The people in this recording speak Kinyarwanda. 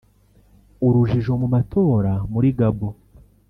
Urujijo mu matora muri Gabon